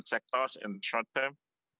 pada kurang termen depan